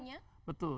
betul ya betul